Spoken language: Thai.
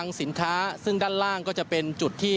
สินค้าซึ่งด้านล่างก็จะเป็นจุดที่